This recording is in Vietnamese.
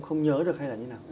không nhớ được hay là như thế nào